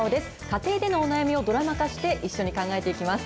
家庭でのお悩みをドラマ化して、一緒に考えていきます。